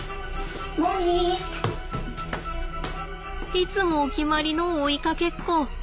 いつもお決まりの追いかけっこ。